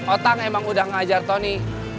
otang emang udah ngajar tony